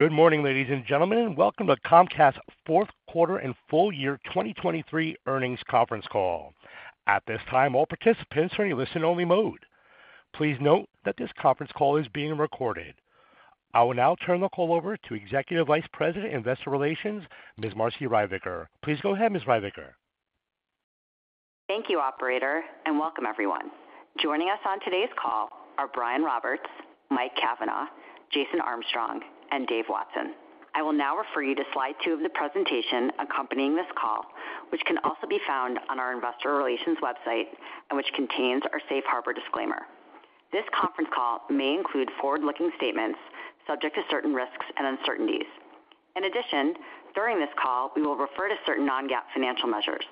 Good morning, ladies and gentlemen, and welcome to Comcast's fourth quarter and full year 2023 earnings conference call. At this time, all participants are in listen-only mode. Please note that this conference call is being recorded. I will now turn the call over to Executive Vice President, Investor Relations, Ms. Marci Ryvicker. Please go ahead, Ms. Ryvicker. Thank you, operator, and welcome everyone. Joining us on today's call are Brian Roberts, Mike Cavanagh, Jason Armstrong, and Dave Watson. I will now refer you to slide two of the presentation accompanying this call, which can also be found on our investor relations website and which contains our safe harbor disclaimer. This conference call may include forward-looking statements subject to certain risks and uncertainties. In addition, during this call, we will refer to certain non-GAAP financial measures.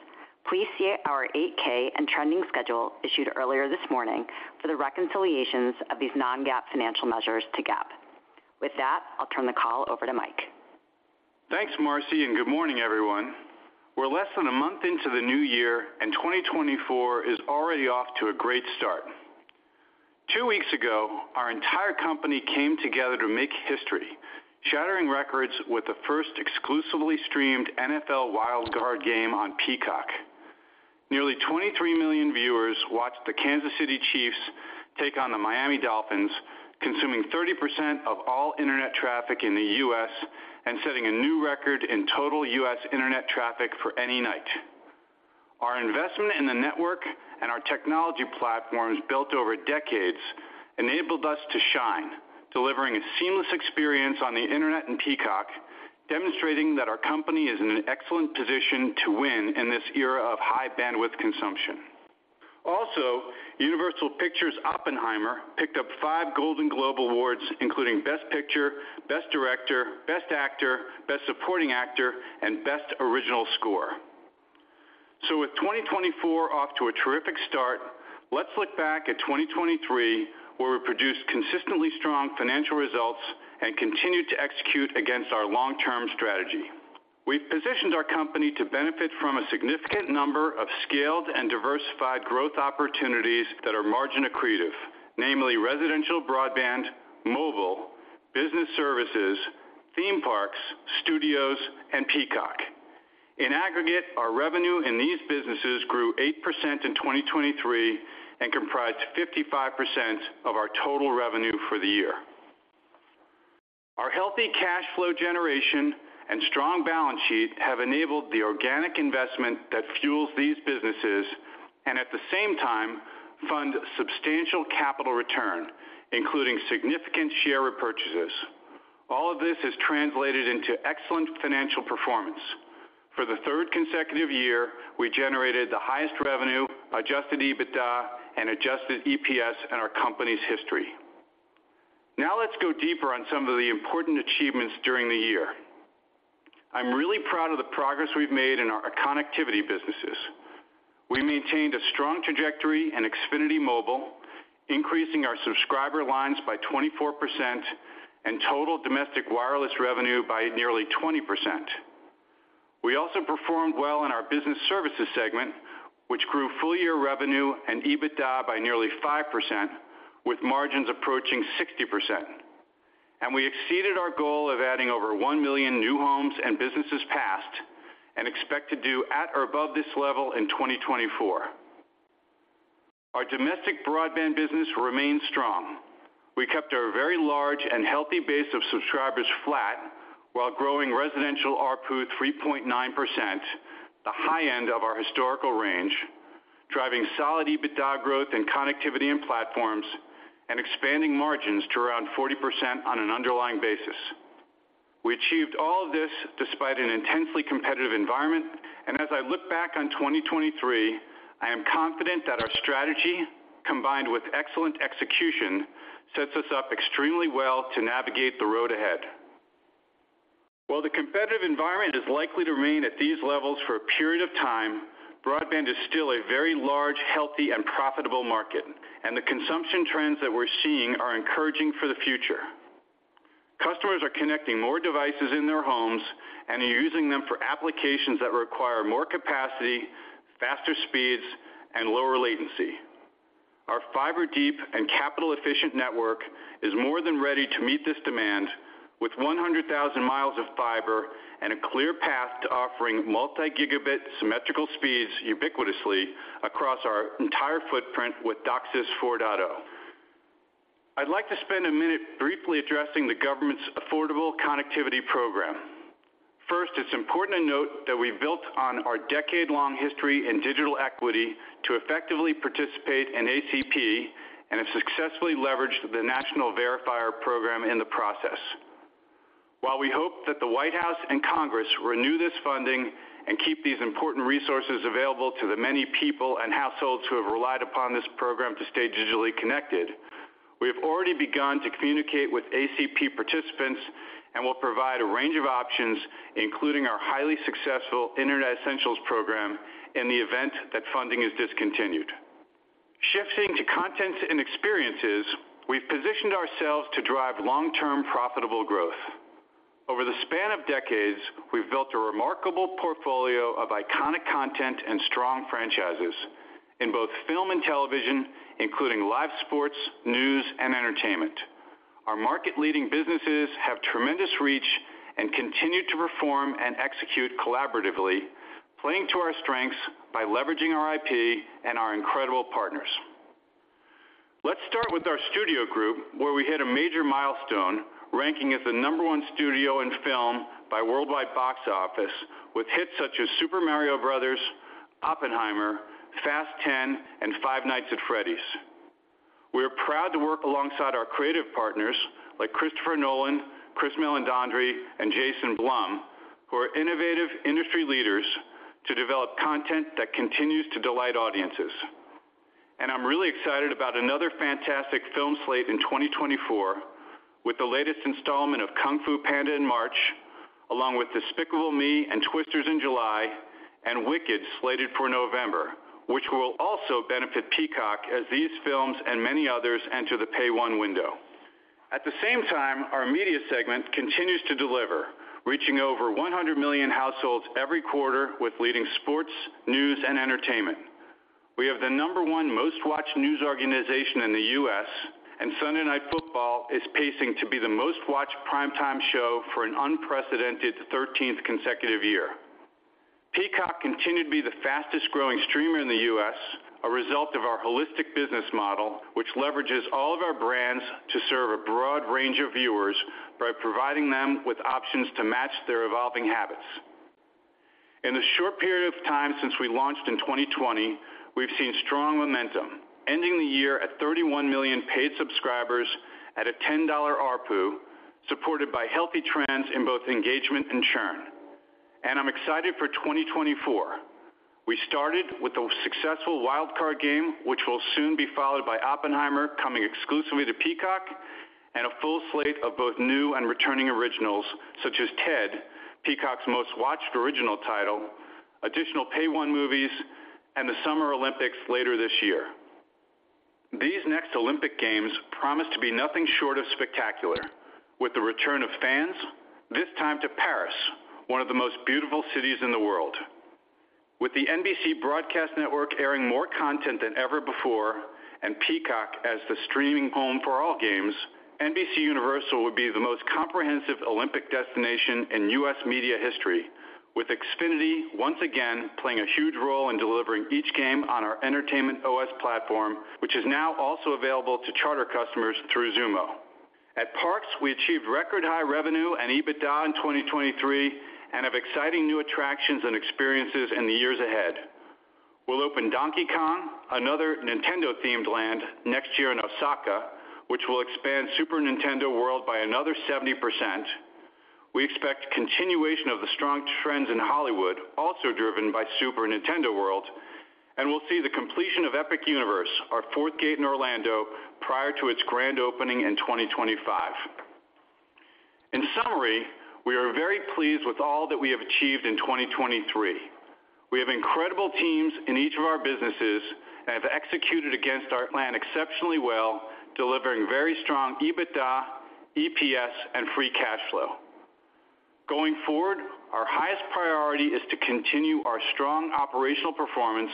Please see our 8-K and trending schedule issued earlier this morning for the reconciliations of these non-GAAP financial measures to GAAP. With that, I'll turn the call over to Mike. Thanks, Marci, and good morning, everyone. We're less than a month into the new year, and 2024 is already off to a great start. Two weeks ago, our entire company came together to make history, shattering records with the first exclusively streamed NFL Wild Card game on Peacock. Nearly 23 million viewers watched the Kansas City Chiefs take on the Miami Dolphins, consuming 30% of all internet traffic in the U.S. and setting a new record in total U.S. internet traffic for any night. Our investment in the network and our technology platforms, built over decades, enabled us to shine, delivering a seamless experience on the internet and Peacock, demonstrating that our company is in an excellent position to win in this era of high bandwidth consumption. Also, Universal Pictures' Oppenheimer picked up five Golden Globe Awards, including Best Picture, Best Director, Best Actor, Best Supporting Actor, and Best Original Score. So with 2024 off to a terrific start, let's look back at 2023, where we produced consistently strong financial results and continued to execute against our long-term strategy. We've positioned our company to benefit from a significant number of scaled and diversified growth opportunities that are margin accretive, namely residential, broadband, mobile, Business Services, theme parks, studios, and Peacock. In aggregate, our revenue in these businesses grew 8% in 2023 and comprised 55% of our total revenue for the year. Our healthy cash flow generation and strong balance sheet have enabled the organic investment that fuels these businesses and at the same time fund substantial capital return, including significant share repurchases. All of this has translated into excellent financial performance. For the third consecutive year, we generated the highest revenue, adjusted EBITDA, and adjusted EPS in our company's history. Now let's go deeper on some of the important achievements during the year. I'm really proud of the progress we've made in our connectivity businesses. We maintained a strong trajectory in Xfinity Mobile, increasing our subscriber lines by 24% and total domestic wireless revenue by nearly 20%. We also performed well in our Business Services segment, which grew full-year revenue and EBITDA by nearly 5%, with margins approaching 60%. And we exceeded our goal of adding over 1 million new homes and businesses passed and expect to do at or above this level in 2024. Our domestic broadband business remains strong. We kept our very large and healthy base of subscribers flat while growing residential ARPU 3.9%, the high end of our historical range, driving solid EBITDA Connectivity and Platforms, and expanding margins to around 40% on an underlying basis. We achieved all of this despite an intensely competitive environment, and as I look back on 2023, I am confident that our strategy, combined with excellent execution, sets us up extremely well to navigate the road ahead. While the competitive environment is likely to remain at these levels for a period of time, broadband is still a very large, healthy, and profitable market, and the consumption trends that we're seeing are encouraging for the future. Customers are connecting more devices in their homes and are using them for applications that require more capacity, faster speeds, and lower latency. Our fiber-deep and capital-efficient network is more than ready to meet this demand, with 100,000 miles of fiber and a clear path to offering multi-gigabit symmetrical speeds ubiquitously across our entire footprint with DOCSIS 4.0. I'd like to spend a minute briefly addressing the government's Affordable Connectivity Program. First, it's important to note that we built on our decade-long history in digital equity to effectively participate in ACP and have successfully leveraged the National Verifier program in the process. While we hope that the White House and Congress renew this funding and keep these important resources available to the many people and households who have relied upon this program to stay digitally connected, we have already begun to communicate with ACP participants and will provide a range of options, including our highly successful Internet Essentials program, in the event that funding is discontinued. Shifting to Content and Experiences, we've positioned ourselves to drive long-term, profitable growth. Over the span of decades, we've built a remarkable portfolio of iconic content and strong franchises in both film and television, including live sports, news, and entertainment. Our market-leading businesses have tremendous reach and continue to perform and execute collaboratively, playing to our strengths by leveraging our IP and our incredible partners. Let's start with our studio group, where we hit a major milestone, ranking as the number one studio in film by worldwide box office, with hits such as Super Mario Bros., Oppenheimer, Fast X, and Five Nights at Freddy's. We are proud to work alongside our creative partners, like Christopher Nolan, Chris Meledandri, and Jason Blum, who are innovative industry leaders, to develop content that continues to delight audiences. I'm really excited about another fantastic film slate in 2024, with the latest installment of Kung Fu Panda in March, along with Despicable Me and Twisters in July, and Wicked, slated for November, which will also benefit Peacock as these films and many others enter the Pay 1 window. At the same time, our Media segment continues to deliver, reaching over 100 million households every quarter with leading sports, news, and entertainment. We have the number one most-watched news organization in the U.S., and Sunday Night Football is pacing to be the most-watched primetime show for an unprecedented 13th consecutive year. Peacock continued to be the fastest-growing streamer in the U.S., a result of our holistic business model, which leverages all of our brands to serve a broad range of viewers by providing them with options to match their evolving habits. In the short period of time since we launched in 2020, we've seen strong momentum, ending the year at 31 million paid subscribers at a $10 ARPU, supported by healthy trends in both engagement and churn. I'm excited for 2024. We started with a successful Wild Card game, which will soon be followed by Oppenheimer, coming exclusively to Peacock, and a full slate of both new and returning originals, such as Ted, Peacock's most-watched original title, additional Pay 1 movies, and the Summer Olympics later this year. These next Olympic Games promise to be nothing short of spectacular, with the return of fans, this time to Paris, one of the most beautiful cities in the world. With the NBCUniversal broadcast network airing more content than ever before, and Peacock as the streaming home for all games, NBCUniversal will be the most comprehensive Olympic destination in U.S. Media history, with Xfinity once again playing a huge role in delivering each game on our Entertainment OS platform, which is now also available to Charter customers through Xumo. At Parks, we achieved record-high revenue and EBITDA in 2023 and have exciting new attractions and experiences in the years ahead. We'll open Donkey Kong, another Nintendo-themed land, next year in Osaka, which will expand Super Nintendo World by another 70%. We expect continuation of the strong trends in Hollywood, also driven by Super Nintendo World, and we'll see the completion of Epic Universe, our fourth gate in Orlando, prior to its grand opening in 2025. In summary, we are very pleased with all that we have achieved in 2023. We have incredible teams in each of our businesses and have executed against our plan exceptionally well, delivering very strong EBITDA, EPS, and free cash flow. Going forward, our highest priority is to continue our strong operational performance,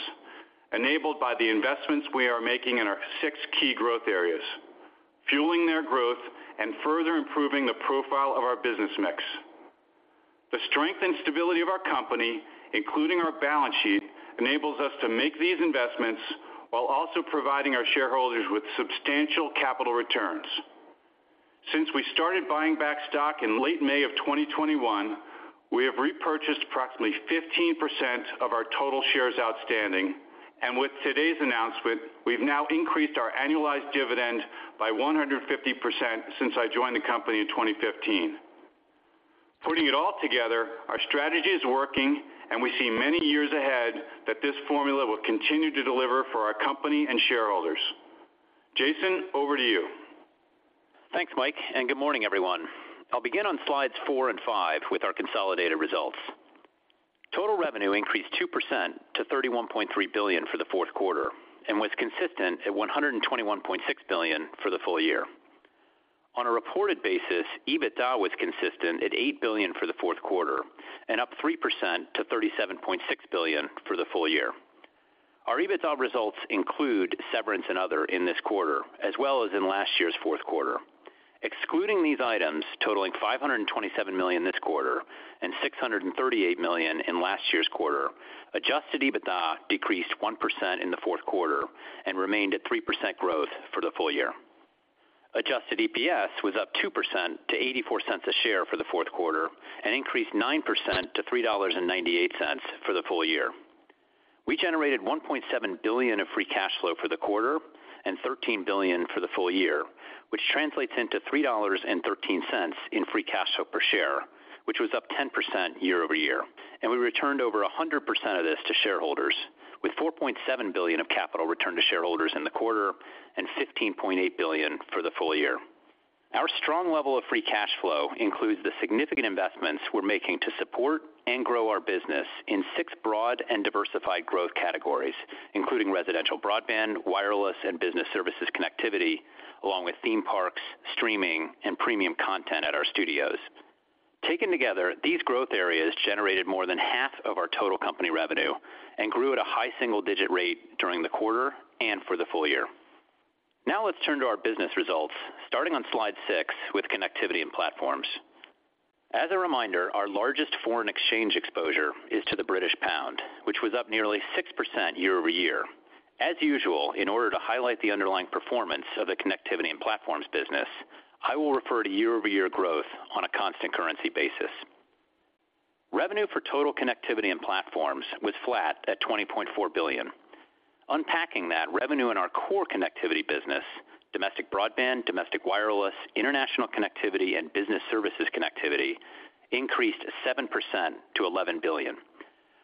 enabled by the investments we are making in our six key growth areas, fueling their growth and further improving the profile of our business mix. The strength and stability of our company, including our balance sheet, enables us to make these investments while also providing our shareholders with substantial capital returns. Since we started buying back stock in late May of 2021, we have repurchased approximately 15% of our total shares outstanding, and with today's announcement, we've now increased our annualized dividend by 150% since I joined the company in 2015. Putting it all together, our strategy is working, and we see many years ahead that this formula will continue to deliver for our company and shareholders. Jason, over to you. Thanks, Mike, and good morning, everyone. I'll begin on slides four and five with our consolidated results. Total revenue increased 2% to $31.3 billion for the fourth quarter and was consistent at $121.6 billion for the full year. On a reported basis, EBITDA was consistent at $8 billion for the fourth quarter and up 3% to $37.6 billion for the full year. Our EBITDA results include severance and other in this quarter, as well as in last year's fourth quarter. Excluding these items, totaling $527 million this quarter and $638 million in last year's quarter, adjusted EBITDA decreased 1% in the fourth quarter and remained at 3% growth for the full year. Adjusted EPS was up 2% to $0.84 per share for the fourth quarter and increased 9% to $3.98 for the full year. We generated $1.7 billion of free cash flow for the quarter and $13 billion for the full year, which translates into $3.13 in free cash flow per share, which was up 10% year-over-year, and we returned over 100% of this to shareholders with $4.7 billion of capital returned to shareholders in the quarter and $15.8 billion for the full year. Our strong level of free cash flow includes the significant investments we're making to support and grow our business in six broad and diversified growth categories, including residential broadband, wireless, and Business Services connectivity, along with theme parks, streaming, and premium content at our studios.... Taken together, these growth areas generated more than half of our total company revenue and grew at a high single-digit rate during the quarter and for the full year. Now let's turn to our business results, starting on slide six with Connectivity and Platforms. As a reminder, our largest foreign exchange exposure is to the British pound, which was up nearly 6% year-over-year. As usual, in order to highlight the underlying performance of the Connectivity and Platforms business, I will refer to year-over-year growth on a constant currency basis. Revenue for total Connectivity and Platforms was flat at $20.4 billion. Unpacking that, revenue in our core connectivity business, domestic broadband, domestic wireless, international connectivity, and Business Services connectivity increased 7% to $11 billion,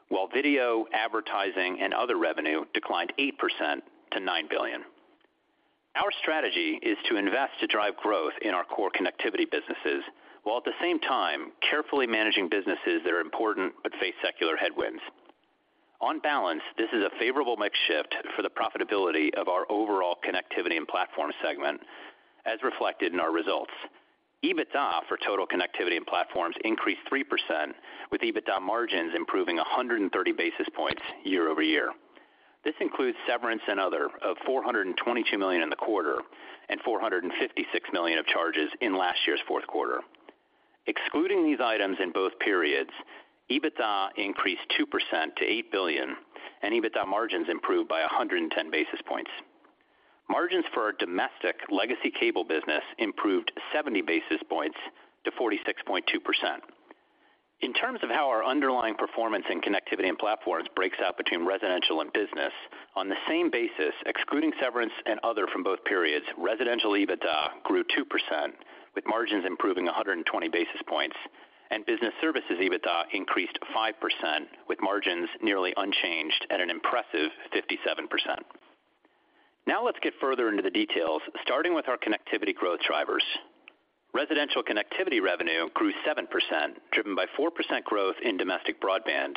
while video advertising and other revenue declined 8% to $9 billion. Our strategy is to invest to drive growth in our core connectivity businesses, while at the same time carefully managing businesses that are important but face secular headwinds. On balance, this is a favorable mix shift for the profitability of our overall connectivity and platform segment, as reflected in our results. EBITDA for total Connectivity and Platforms increased 3%, with EBITDA margins improving 130 basis points year-over-year. This includes severance and other of $422 million in the quarter and $456 million of charges in last year's fourth quarter. Excluding these items in both periods, EBITDA increased 2% to $8 billion, and EBITDA margins improved by 110 basis points. Margins for our domestic legacy cable business improved 70 basis points to 46.2%. In terms of how our underlying performance in Connectivity and Platforms breaks out between residential and business, on the same basis, excluding severance and other from both periods, residential EBITDA grew 2%, with margins improving 120 basis points, and Business Services EBITDA increased 5%, with margins nearly unchanged at an impressive 57%. Now let's get further into the details, starting with our connectivity growth drivers. Residential connectivity revenue grew 7%, driven by 4% growth in domestic broadband,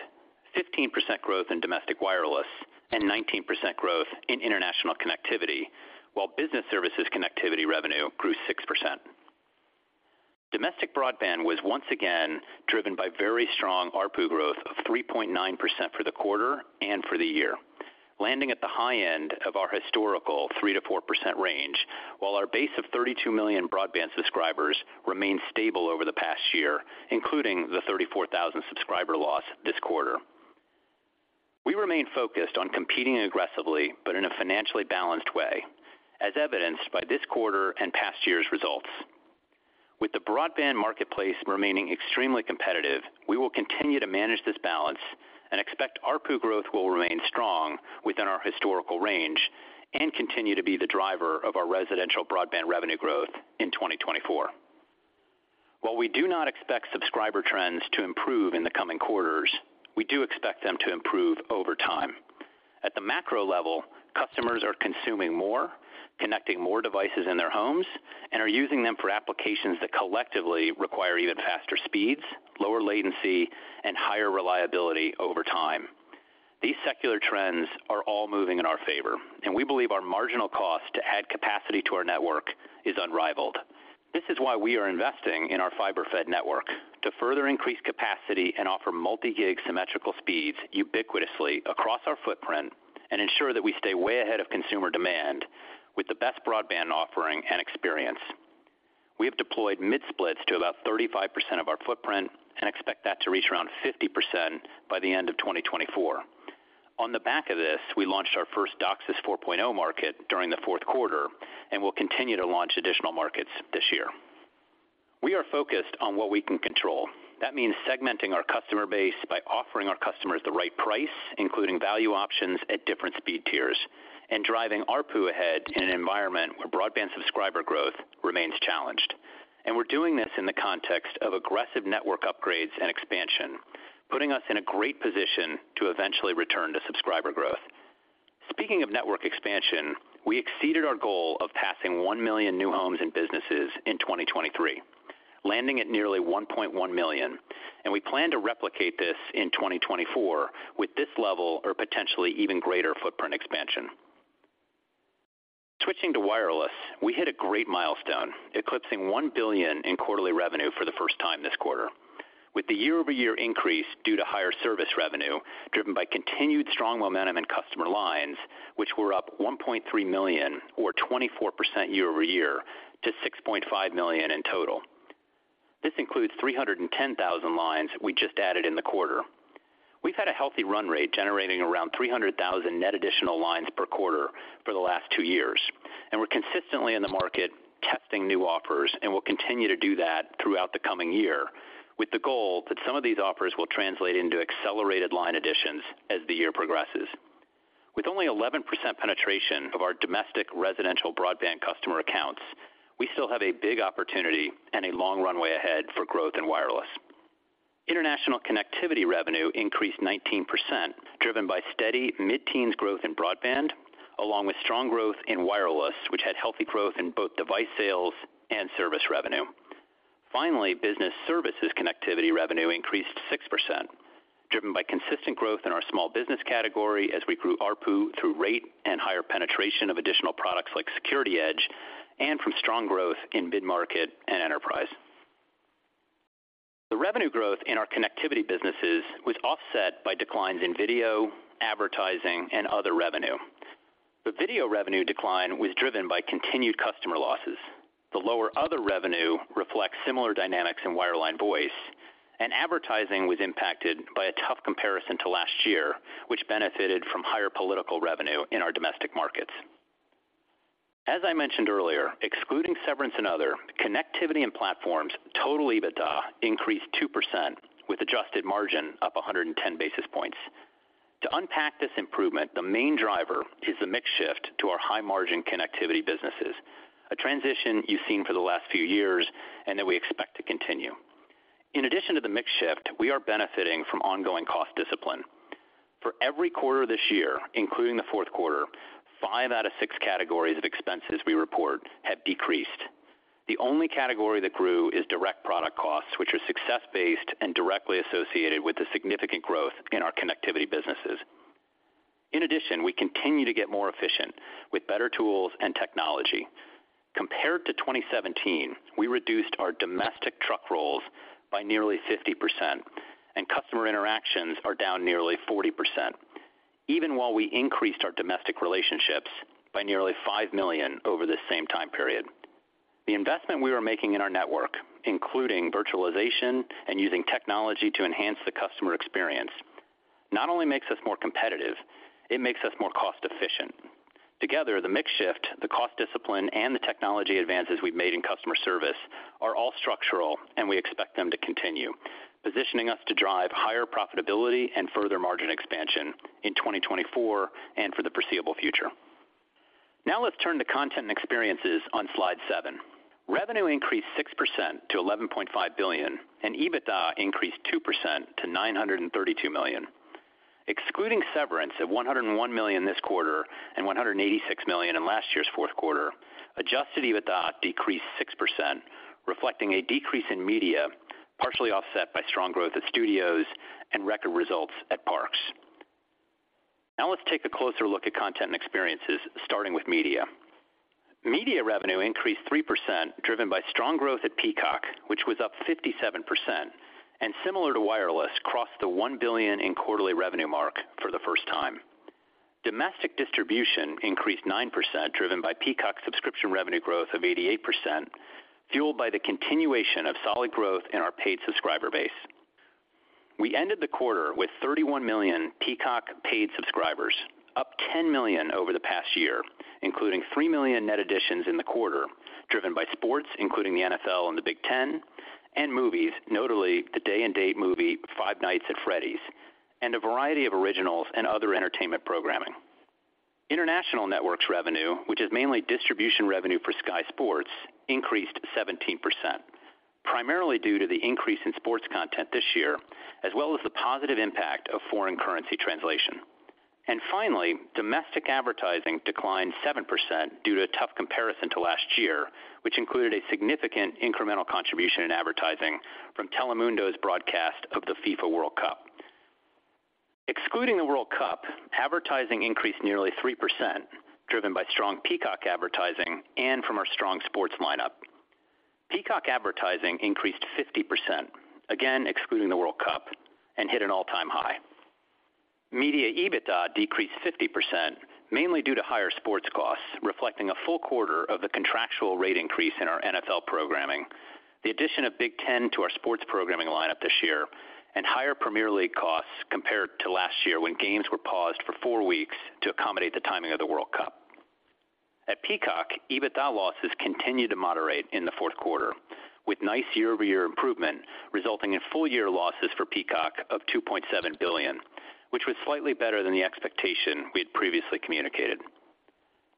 15% growth in domestic wireless, and 19% growth in international connectivity, while Business Services connectivity revenue grew 6%. Domestic broadband was once again driven by very strong ARPU growth of 3.9% for the quarter and for the year, landing at the high end of our historical 3%-4% range, while our base of 32 million broadband subscribers remained stable over the past year, including the 34,000 subscriber loss this quarter. We remain focused on competing aggressively, but in a financially balanced way, as evidenced by this quarter and past year's results. With the broadband marketplace remaining extremely competitive, we will continue to manage this balance and expect ARPU growth will remain strong within our historical range and continue to be the driver of our residential broadband revenue growth in 2024. While we do not expect subscriber trends to improve in the coming quarters, we do expect them to improve over time. At the macro level, customers are consuming more, connecting more devices in their homes, and are using them for applications that collectively require even faster speeds, lower latency, and higher reliability over time. These secular trends are all moving in our favor, and we believe our marginal cost to add capacity to our network is unrivaled. This is why we are investing in our fiber-fed network to further increase capacity and offer multi-gig symmetrical speeds ubiquitously across our footprint and ensure that we stay way ahead of consumer demand with the best broadband offering and experience. We have deployed mid-splits to about 35% of our footprint and expect that to reach around 50% by the end of 2024. On the back of this, we launched our first DOCSIS 4.0 market during the fourth quarter and will continue to launch additional markets this year. We are focused on what we can control. That means segmenting our customer base by offering our customers the right price, including value options at different speed tiers, and driving ARPU ahead in an environment where broadband subscriber growth remains challenged. We're doing this in the context of aggressive network upgrades and expansion, putting us in a great position to eventually return to subscriber growth. Speaking of network expansion, we exceeded our goal of passing 1 million new homes and businesses in 2023, landing at nearly 1.1 million, and we plan to replicate this in 2024 with this level or potentially even greater footprint expansion. Switching to wireless, we hit a great milestone, eclipsing $1 billion in quarterly revenue for the first time this quarter, with the year-over-year increase due to higher service revenue driven by continued strong momentum in customer lines, which were up 1.3 million or 24% year-over-year to 6.5 million in total. This includes 310,000 lines we just added in the quarter. We've had a healthy run rate, generating around 300,000 net additional lines per quarter for the last two years, and we're consistently in the market testing new offers and will continue to do that throughout the coming year with the goal that some of these offers will translate into accelerated line additions as the year progresses. With only 11% penetration of our domestic residential broadband customer accounts, we still have a big opportunity and a long runway ahead for growth in wireless. International connectivity revenue increased 19%, driven by steady mid-teens growth in broadband, along with strong growth in wireless, which had healthy growth in both device sales and service revenue. Finally, Business Services connectivity revenue increased 6%... driven by consistent growth in our small business category as we grew ARPU through rate and higher penetration of additional products like SecurityEdge and from strong growth in mid-market and enterprise. The revenue growth in our connectivity businesses was offset by declines in video, advertising, and other revenue. The video revenue decline was driven by continued customer losses. The lower other revenue reflects similar dynamics in wireline voice, and advertising was impacted by a tough comparison to last year, which benefited from higher political revenue in our domestic markets. As I mentioned earlier, excluding severance and other, Connectivity and Platforms, total EBITDA increased 2%, with adjusted margin up 110 basis points. To unpack this improvement, the main driver is the mix shift to our high-margin connectivity businesses, a transition you've seen for the last few years and that we expect to continue. In addition to the mix shift, we are benefiting from ongoing cost discipline. For every quarter this year, including the fourth quarter, five out of six categories of expenses we report have decreased. The only category that grew is direct product costs, which are success-based and directly associated with the significant growth in our connectivity businesses. In addition, we continue to get more efficient with better tools and technology. Compared to 2017, we reduced our domestic truck rolls by nearly 50%, and customer interactions are down nearly 40%, even while we increased our domestic relationships by nearly 5 million over this same time period. The investment we are making in our network, including virtualization and using technology to enhance the customer experience, not only makes us more competitive, it makes us more cost-efficient. Together, the mix shift, the cost discipline, and the technology advances we've made in customer service are all structural, and we expect them to continue, positioning us to drive higher profitability and further margin expansion in 2024 and for the foreseeable future. Now let's turn to Content and Experiences on slide seven. Revenue increased 6% to $11.5 billion, and EBITDA increased 2% to $932 million. Excluding severance of $101 million this quarter and $186 million in last year's fourth quarter, adjusted EBITDA decreased 6%, reflecting a decrease in Media, partially offset by strong growth at Studios and record results at Parks. Now let's take a closer look at Content and Experiences, starting with Media. Media revenue increased 3%, driven by strong growth at Peacock, which was up 57%, and similar to wireless, crossed the $1 billion in quarterly revenue mark for the first time. Domestic distribution increased 9%, driven by Peacock subscription revenue growth of 88%, fueled by the continuation of solid growth in our paid subscriber base. We ended the quarter with 31 million Peacock paid subscribers, up 10 million over the past year, including 3 million net additions in the quarter, driven by sports, including the NFL and the Big Ten, and movies, notably the day-and-date movie, Five Nights at Freddy's, and a variety of originals and other entertainment programming. International Networks revenue, which is mainly distribution revenue for Sky Sports, increased 17%, primarily due to the increase in sports content this year, as well as the positive impact of foreign currency translation. And finally, domestic advertising declined 7% due to a tough comparison to last year, which included a significant incremental contribution in advertising from Telemundo's broadcast of the FIFA World Cup. Excluding the World Cup, advertising increased nearly 3%, driven by strong Peacock advertising and from our strong sports lineup. Peacock advertising increased 50%, again, excluding the World Cup, and hit an all-time high. Media EBITDA decreased 50%, mainly due to higher sports costs, reflecting a full quarter of the contractual rate increase in our NFL programming, the addition of Big Ten to our sports programming lineup this year, and higher Premier League costs compared to last year, when games were paused for 4 weeks to accommodate the timing of the World Cup. At Peacock, EBITDA losses continued to moderate in the fourth quarter, with nice year-over-year improvement, resulting in full-year losses for Peacock of $2.7 billion, which was slightly better than the expectation we had previously communicated.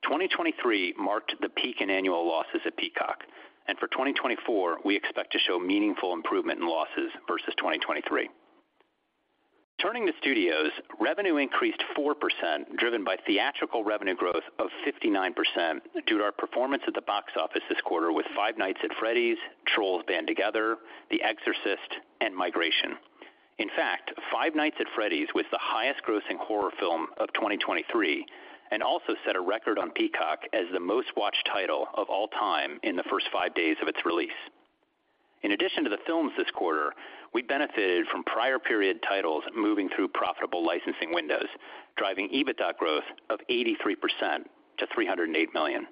2023 marked the peak in annual losses at Peacock, and for 2024, we expect to show meaningful improvement in losses versus 2023. Turning to Studios, revenue increased 4%, driven by theatrical revenue growth of 59% due to our performance at the box office this quarter with Five Nights at Freddy's, Trolls Band Together, The Exorcist, and Migration. In fact, Five Nights at Freddy's was the highest grossing horror film of 2023 and also set a record on Peacock as the most-watched title of all time in the first five days of its release. In addition to the films this quarter, we benefited from prior period titles moving through profitable licensing windows, driving EBITDA growth of 83% to $308 million.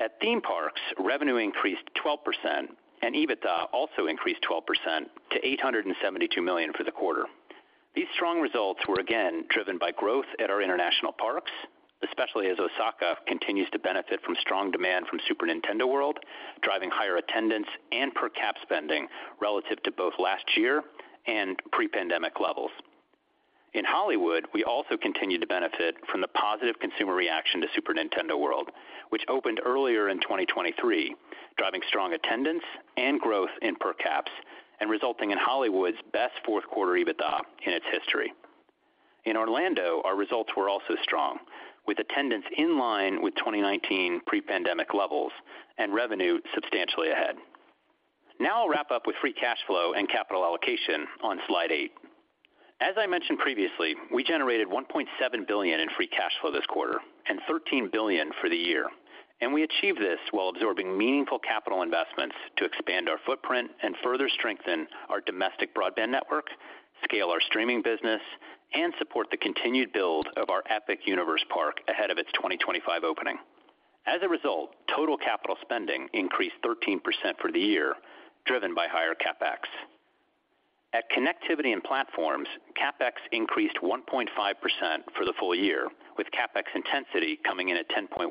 At Theme Parks, revenue increased 12%, and EBITDA also increased 12% to $872 million for the quarter. These strong results were again driven by growth at our international parks, especially as Osaka continues to benefit from strong demand from Super Nintendo World, driving higher attendance and per cap spending relative to both last year and pre-pandemic levels. In Hollywood, we also continued to benefit from the positive consumer reaction to Super Nintendo World, which opened earlier in 2023, driving strong attendance and growth in per caps and resulting in Hollywood's best fourth quarter EBITDA in its history. In Orlando, our results were also strong, with attendance in line with 2019 pre-pandemic levels and revenue substantially ahead. Now I'll wrap up with free cash flow and capital allocation on Slide eight. As I mentioned previously, we generated $1.7 billion in free cash flow this quarter and $13 billion for the year, and we achieved this while absorbing meaningful capital investments to expand our footprint and further strengthen our domestic broadband network, scale our streaming business, and support the continued build of our Epic Universe park ahead of its 2025 opening. As a result, total capital spending increased 13% for the year, driven by higher CapEx. At Connectivity and Platforms, CapEx increased 1.5% for the full year, with CapEx intensity coming in at 10.1%,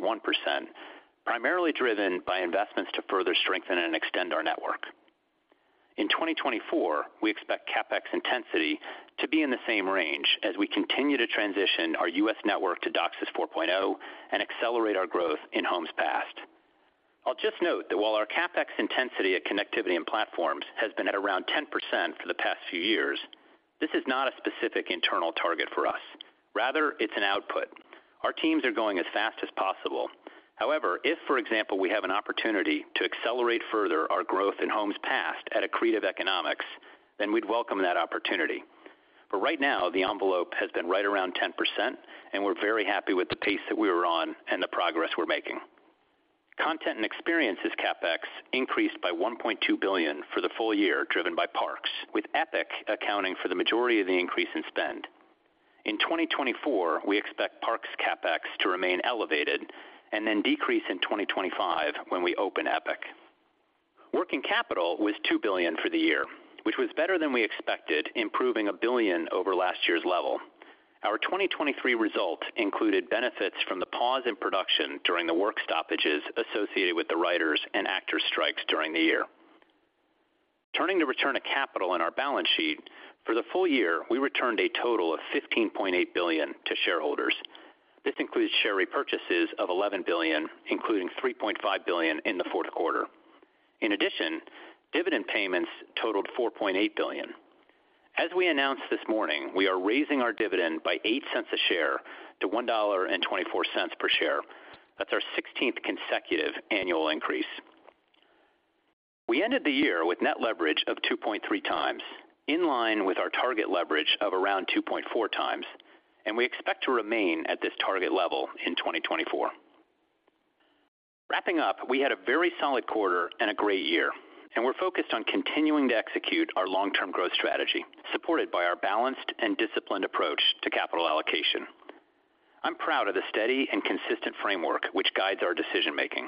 primarily driven by investments to further strengthen and extend our network. In 2024, we expect CapEx intensity to be in the same range as we continue to transition our U.S. network to DOCSIS 4.0 and accelerate our growth in homes passed. I'll just note that while our CapEx intensity at Connectivity and Platforms has been at around 10% for the past few years, this is not a specific internal target for us. Rather, it's an output. Our teams are going as fast as possible. However, if, for example, we have an opportunity to accelerate further our growth in homes passed at accretive economics, then we'd welcome that opportunity. But right now, the envelope has been right around 10%, and we're very happy with the pace that we are on and the progress we're making. Content and Experiences CapEx increased by $1.2 billion for the full year, driven by parks, with Epic accounting for the majority of the increase in spend. In 2024, we expect parks CapEx to remain elevated and then decrease in 2025 when we open Epic. Working capital was $2 billion for the year, which was better than we expected, improving $1 billion over last year's level. Our 2023 results included benefits from the pause in production during the work stoppages associated with the writers and actors strikes during the year. Turning to return of capital on our balance sheet, for the full year, we returned a total of $15.8 billion to shareholders. This includes share repurchases of $11 billion, including $3.5 billion in the fourth quarter. In addition, dividend payments totaled $4.8 billion. As we announced this morning, we are raising our dividend by $0.08 per share to $1.24 per share. That's our 16th consecutive annual increase. We ended the year with net leverage of 2.3x, in line with our target leverage of around 2.4x, and we expect to remain at this target level in 2024. Wrapping up, we had a very solid quarter and a great year, and we're focused on continuing to execute our long-term growth strategy, supported by our balanced and disciplined approach to capital allocation. I'm proud of the steady and consistent framework which guides our decision-making.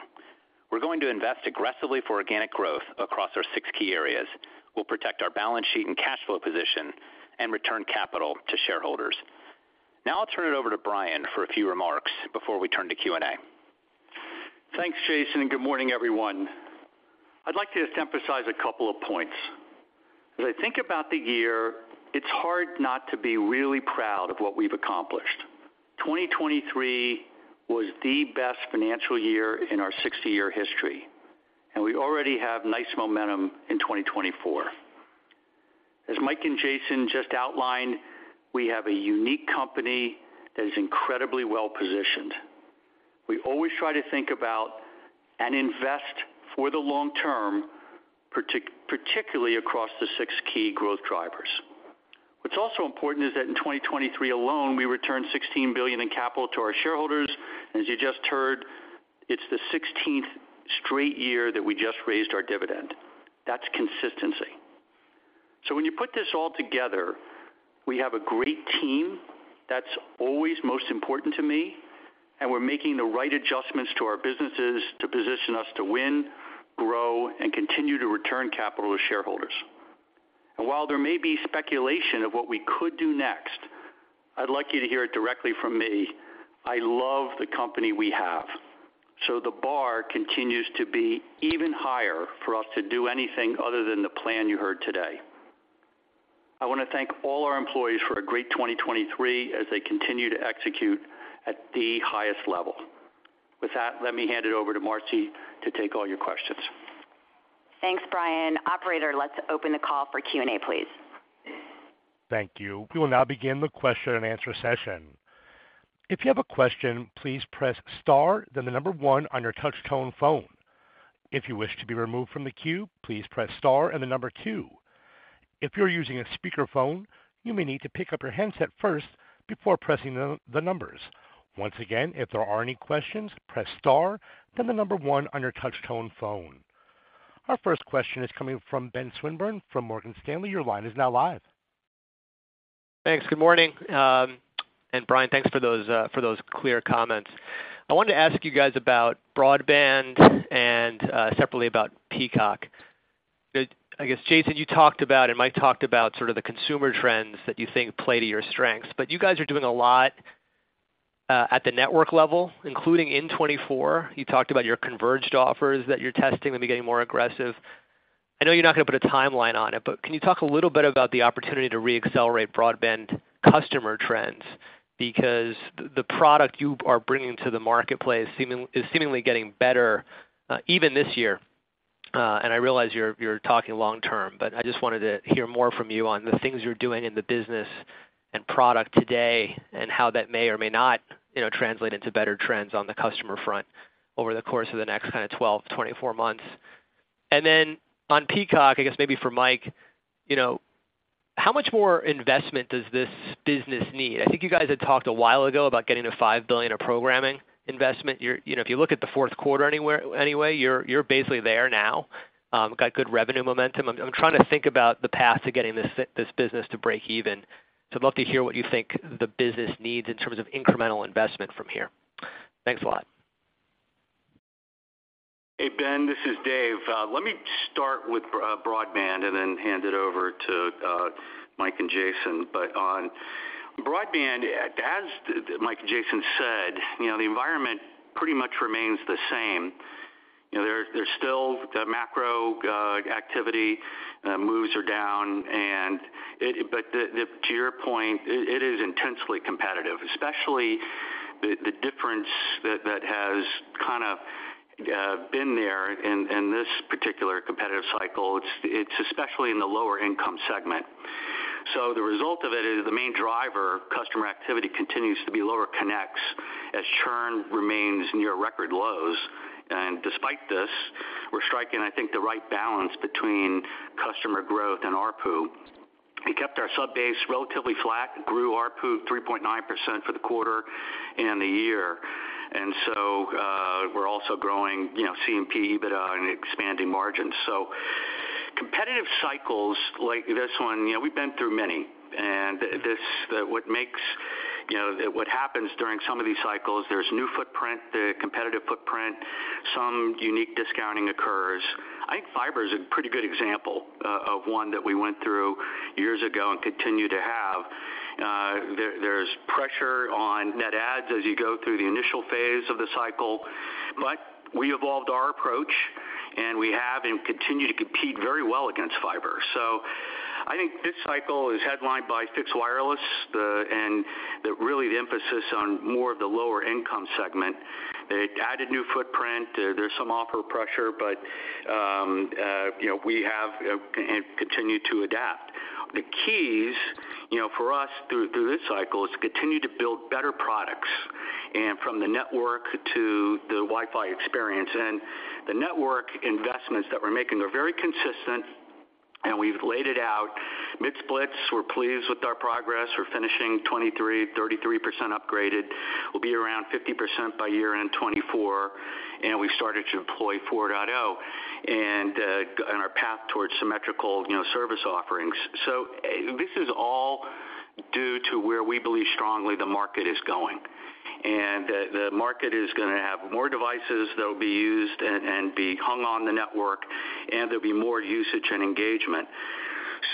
We're going to invest aggressively for organic growth across our six key areas. We'll protect our balance sheet and cash flow position and return capital to shareholders. Now I'll turn it over to Brian for a few remarks before we turn to Q&A. Thanks, Jason, and good morning, everyone. I'd like to just emphasize a couple of points. As I think about the year, it's hard not to be really proud of what we've accomplished. 2023 was the best financial year in our 60-year history, and we already have nice momentum in 2024. As Mike and Jason just outlined, we have a unique company that is incredibly well-positioned. We always try to think about and invest for the long term, particularly across the six key growth drivers. What's also important is that in 2023 alone, we returned $16 billion in capital to our shareholders, and as you just heard, it's the 16th straight year that we just raised our dividend. That's consistency. When you put this all together, we have a great team that's always most important to me, and we're making the right adjustments to our businesses to position us to win, grow, and continue to return capital to shareholders. While there may be speculation of what we could do next, I'd like you to hear it directly from me: I love the company we have, so the bar continues to be even higher for us to do anything other than the plan you heard today. I want to thank all our employees for a great 2023 as they continue to execute at the highest level. With that, let me hand it over to Marci to take all your questions. Thanks, Brian. Operator, let's open the call for Q&A, please. Thank you. We will now begin the question-and-answer session. If you have a question, please press star, then one on your touch-tone phone. If you wish to be removed from the queue, please press star and two. If you're using a speakerphone, you may need to pick up your handset first before pressing the numbers. Once again, if there are any questions, press star, then one on your touch-tone phone. Our first question is coming from Ben Swinburne from Morgan Stanley. Your line is now live. Thanks. Good morning. And Brian, thanks for those, for those clear comments. I wanted to ask you guys about broadband and, separately about Peacock. I guess, Jason, you talked about, and Mike talked about sort of the consumer trends that you think play to your strengths, but you guys are doing a lot at the network level, including in 2024. You talked about your converged offers that you're testing maybe getting more aggressive. I know you're not going to put a timeline on it, but can you talk a little bit about the opportunity to reaccelerate broadband customer trends? Because the product you are bringing to the marketplace seemingly, is seemingly getting better, even this year. And I realize you're talking long term, but I just wanted to hear more from you on the things you're doing in the business and product today, and how that may or may not, you know, translate into better trends on the customer front over the course of the next kind of 12-24 months. And then on Peacock, I guess maybe for Mike, you know, how much more investment does this business need? I think you guys had talked a while ago about getting to $5 billion of programming investment. You know, if you look at the fourth quarter anywhere, anyway, you're basically there now. Got good revenue momentum. I'm trying to think about the path to getting this business to break even. So I'd love to hear what you think the business needs in terms of incremental investment from here. Thanks a lot. Hey, Ben, this is Dave. Let me start with broadband and then hand it over to Mike and Jason. But on broadband, as Mike and Jason said, you know, the environment pretty much remains the same. You know, there's still the macro activity moves are down, and it. But to your point, it is intensely competitive, especially the difference that has kind of been there in this particular competitive cycle. It's especially in the lower income segment. So the result of it is the main driver, customer activity, continues to be lower connects as churn remains near record lows. And despite this, we're striking, I think, the right balance between customer growth and ARPU. We kept our sub base relatively flat, grew ARPU 3.9% for the quarter and the year. And so, we're also growing, you know, C&P, EBITDA, and expanding margins. So competitive cycles like this one, you know, we've been through many, and this, what makes, you know, what happens during some of these cycles, there's new footprint, the competitive footprint, some unique discounting occurs. I think fiber is a pretty good example, of one that we went through years ago and continue to have. There's pressure on net adds as you go through the initial phase of the cycle, but we evolved our approach, and we have and continue to compete very well against fiber. So I think this cycle is headlined by fixed wireless, and really the emphasis on more of the lower income segment. It added new footprint. There's some offer pressure, but, you know, we have, and continue to adapt. The keys, you know, for us through this cycle is to continue to build better products, and from the network to the Wi-Fi experience. The network investments that we're making are very consistent, and we've laid it out. Mid-splits, we're pleased with our progress. We're finishing 23%-33% upgraded. We'll be around 50% by year-end 2024, and we've started to deploy 4.0. And on our path towards symmetrical, you know, service offerings. So this is all due to where we believe strongly the market is going. And the market is gonna have more devices that will be used and be hung on the network, and there'll be more usage and engagement.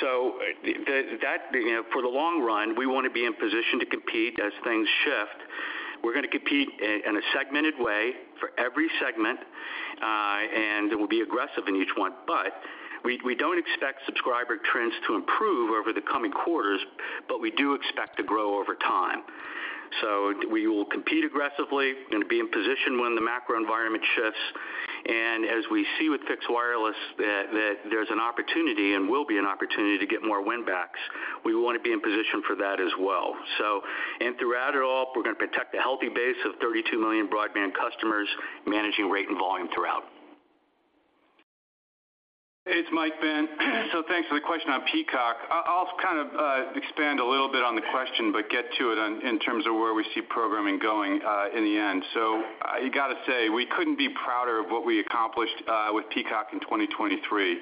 So that, you know, for the long run, we want to be in position to compete as things shift. We're gonna compete in a segmented way for every segment, and we'll be aggressive in each one. But we don't expect subscriber trends to improve over the coming quarters, but we do expect to grow over time. So we will compete aggressively and be in position when the macro environment shifts. And as we see with fixed wireless, that there's an opportunity and will be an opportunity to get more win backs, we want to be in position for that as well. So and throughout it all, we're gonna protect a healthy base of 32 million broadband customers, managing rate and volume throughout. It's Mike, Ben. So thanks for the question on Peacock. I'll, I'll kind of expand a little bit on the question, but get to it in terms of where we see programming going in the end. So I got to say, we couldn't be prouder of what we accomplished with Peacock in 2023.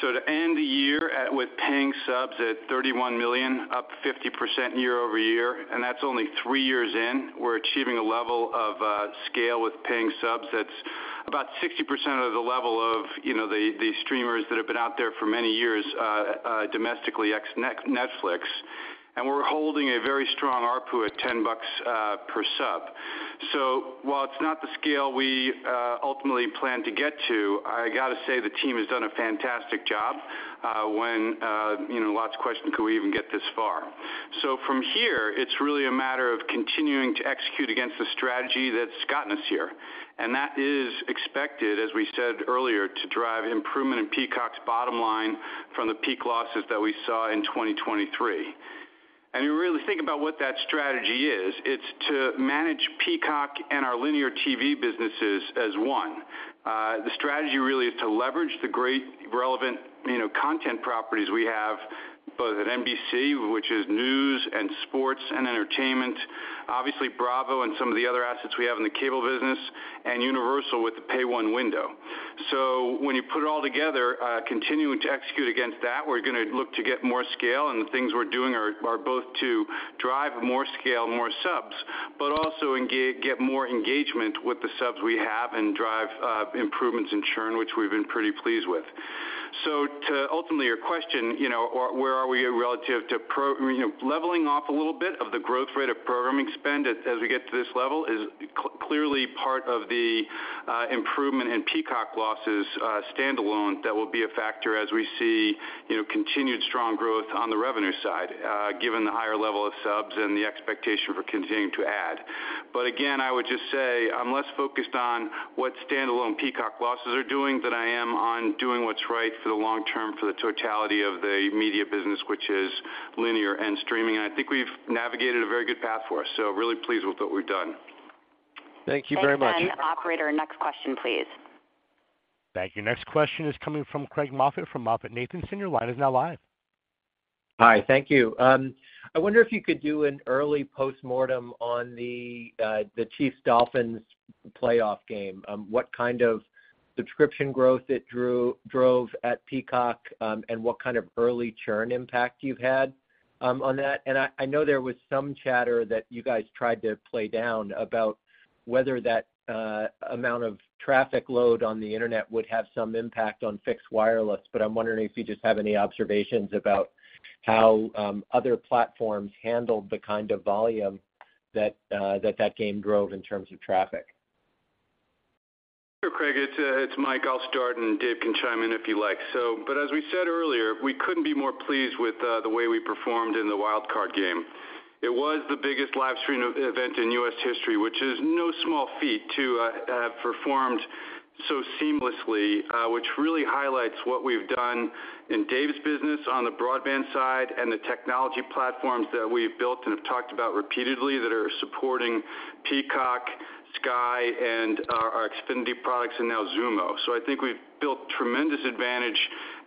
So to end the year at, with paying subs at 31 million, up 50% year-over-year, and that's only 3 years in, we're achieving a level of scale with paying subs that's about 60% of the level of, you know, the streamers that have been out there for many years domestically, ex Netflix. And we're holding a very strong ARPU at $10 per sub. So while it's not the scale we ultimately plan to get to, I got to say, the team has done a fantastic job, when, you know, lots of questions, could we even get this far? So from here, it's really a matter of continuing to execute against the strategy that's gotten us here. And that is expected, as we said earlier, to drive improvement in Peacock's bottom line from the peak losses that we saw in 2023. And you really think about what that strategy is, it's to manage Peacock and our linear TV businesses as one. The strategy really is to leverage the great relevant, you know, content properties we have, both at NBC, which is news and sports and entertainment, obviously, Bravo and some of the other assets we have in the cable business, and Universal with the Pay 1 window. So when you put it all together, continuing to execute against that, we're gonna look to get more scale, and the things we're doing are both to drive more scale, more subs, but also get more engagement with the subs we have and drive improvements in churn, which we've been pretty pleased with. So to ultimately, your question, you know, where are we relative to. You know, leveling off a little bit of the growth rate of programming spend as we get to this level is clearly part of the improvement in Peacock losses, standalone. That will be a factor as we see, you know, continued strong growth on the revenue side, given the higher level of subs and the expectation for continuing to add. Again, I would just say, I'm less focused on what standalone Peacock losses are doing than I am on doing what's right for the long term, for the totality of the Media business, which is linear and streaming. I think we've navigated a very good path for us, so really pleased with what we've done. Thank you very much. Thanks, Ben. Operator, next question, please. Thank you. Next question is coming from Craig Moffett from MoffettNathanson, Your line is now live. Hi, thank you. I wonder if you could do an early postmortem on the, the Chiefs-Dolphins playoff game, what kind of subscription growth it drove at Peacock, and what kind of early churn impact you've had, on that? And I know there was some chatter that you guys tried to play down about whether that, amount of traffic load on the internet would have some impact on fixed wireless, but I'm wondering if you just have any observations about how, other platforms handled the kind of volume that, that that game drove in terms of traffic. Sure, Craig, it's, it's Mike. I'll start, and Dave can chime in if you like. So but as we said earlier, we couldn't be more pleased with the way we performed in the Wild Card game. It was the biggest live stream of event in U.S. history, which is no small feat to have performed so seamlessly, which really highlights what we've done in Dave's business on the broadband side and the technology platforms that we've built and have talked about repeatedly that are supporting Peacock, Sky and our, our Xfinity products and now Xumo. So I think we've built tremendous advantage